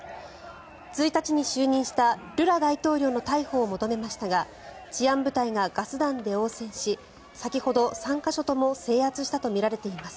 １日に就任したルラ大統領の逮捕を求めましたが治安部隊がガス弾で応戦し先ほど３か所とも制圧したとみられています。